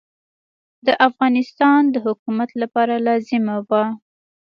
د افغانستان د حکومت لپاره لازمه وه.